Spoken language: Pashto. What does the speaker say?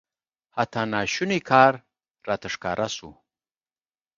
حتی ناشونی کار راته ښکاره سو.